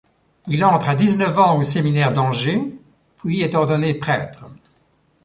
Il entre à dix-neuf ans au séminaire d'Angers puis est ordonné prêtre.